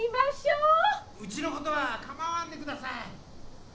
・うちのことは構わんでください。